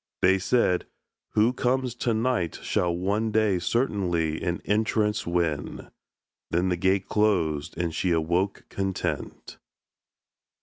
They said, "Who comes to night Shall one day certainly an entrance win;" Then the gate closed and she awoke content.